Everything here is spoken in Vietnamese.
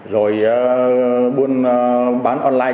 rồi buôn bán online